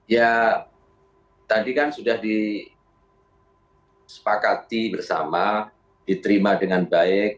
ya tadi kan sudah disepakati bersama diterima dengan baik